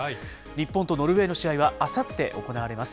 日本とノルウェーの試合はあさって行われます。